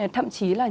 thậm chí là những